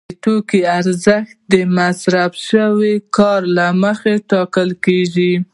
د توکي ارزښت د مصرف شوي کار له مخې ټاکل کېږي